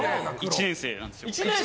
１年生なんですよ。